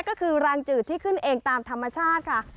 ก็คือรางจืดที่ขึ้นเองตามธรรมชาติค่ะ